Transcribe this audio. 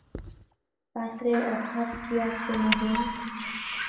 পাত্রের অভাব কী আছে মহিম।